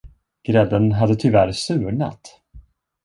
Grädden hade tyvärr surnat.